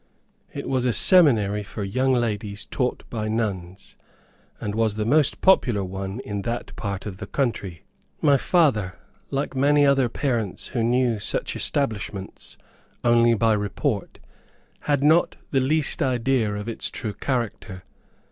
It was a seminary for young ladies taught by nuns, and was the most popular one in that part of the country. My father, like many other parents who knew such establishments only by report, had not the least idea of its true character.